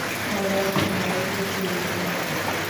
অবাক হয় কুসুম, আর মতি।